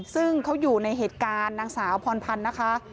ซึ่งเขาอยู่ในเหตุการณ์นางสาวพรพันธ์นะคะ